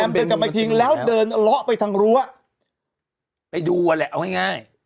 แอมเดินกลับมาอีกทีแล้วเดินละไปทางรั้วไปดูอะแหละเอาง่ายง่าย